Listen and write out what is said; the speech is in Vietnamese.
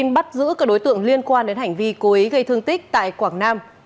bắt giữ các đối tượng liên quan đến hành vi cố ý gây thương tích tại quảng nam